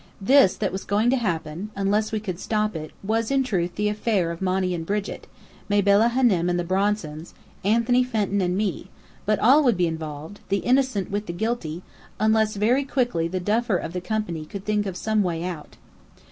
This that was going to happen unless we could stop it was in truth the affair of Monny and Brigit, Mabella Hânem and the Bronsons, Anthony Fenton and me; but all would be involved, the innocent with the guilty, unless very quickly the duffer of the company could think of some way out.